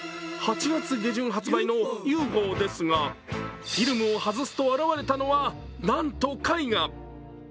８月下旬発売のＵ．Ｆ．Ｏ．ですが、フィルムを外すと現れたのはなんと絵画。